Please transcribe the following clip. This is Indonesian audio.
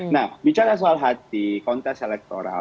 nah bicara soal hati kontes elektoral